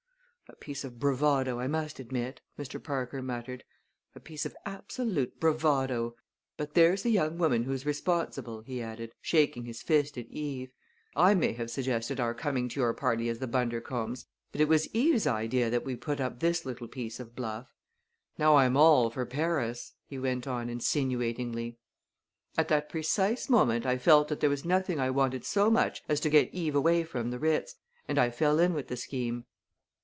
"A piece of bravado, I must admit," Mr. Parker muttered "a piece of absolute bravado! But there's the young woman who's responsible!" he added, shaking his fist at Eve. "I may have suggested our coming to your party as the Bundercombes, but it was Eve's idea that we put up this little piece of bluff. Now I'm all for Paris!" he went on insinuatingly. At that precise moment I felt that there was nothing I wanted so much as to get Eve away from the Ritz, and I fell in with the scheme.